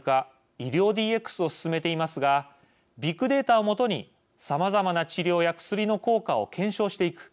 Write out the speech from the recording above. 医療ＤＸを進めていますがビッグデータを基にさまざまな治療や薬の効果を検証していく。